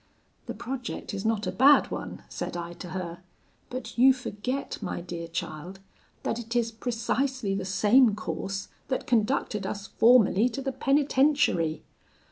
"'The project is not a bad one,' said I to her; 'but you forget, my dear child, that it is precisely the same course that conducted us formerly to the penitentiary.'